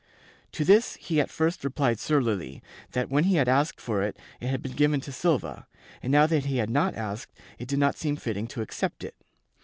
To this he at first replied surlily, that when he had asked for it, it had been given to Silva, and now that he had not asked, it did not seem fitting to accept it.